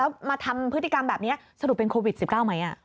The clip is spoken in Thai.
แล้วมาทำพฤติกรรมแบบนี้สรุปเป็นโควิด๑๙ไหม